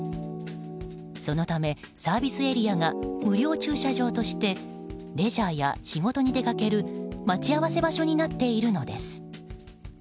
そのため、サービスエリアが無料駐車場としてレジャーや仕事に出かける待ち合わせ場所になっているのです。